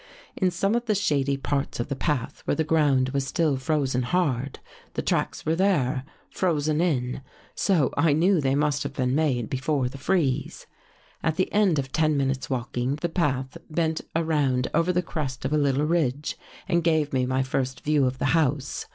In some of the shady parts of the path, where the ground was still frozen hard, the tracks were there, frozen in, so I knew they must have been made be fore the freeze. " At the end of ten minutes' walking, the path bent around over the crest of a little ridge and gave me my first view of the house.